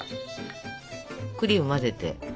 クリーム混ぜて。